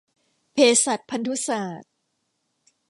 เภสัชพันธุศาสตร์